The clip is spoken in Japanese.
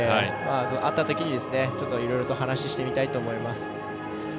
会ったときにいろいろと話をしてみたいと思います。